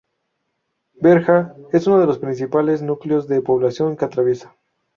Berja es uno de los principales núcleos de población que atraviesa.